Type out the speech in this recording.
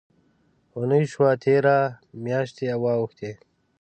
اوونۍ شوه تېره، میاشتي واوښتې